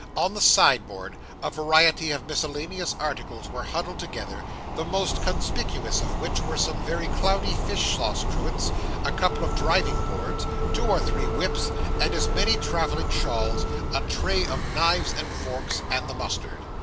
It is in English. On the sideboard a variety of miscellaneous articles were huddled together, the most conspicuous of which were some very cloudy fish sauce cruets, a couple of driving boxes, two or three whips, and as many travelling shawls, a tray of knives and forks, and the mustard.